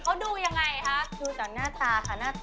้ออหมายเลขสามครับ